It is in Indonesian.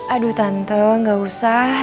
aduh tante gak usah